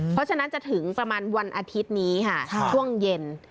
เพราะฉะนั้นจะถึงประมาณวันอาทิตย์นี้ค่ะช่วงเย็น